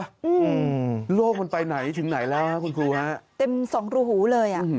ถ้าหลอดไม่ช่วยหลอดจะเรียนต่อหลอดก็ไม่ต้องเรียน